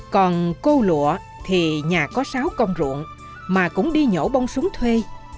còn cô lụa thì nhà có sáu con ruộng mà cũng đi nhổ bông xuống thuê